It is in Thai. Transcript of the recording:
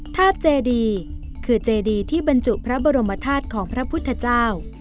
ธาตุเจดีคือเจดีที่บรรจุพระบรมธาตุของพระพุทธเจ้า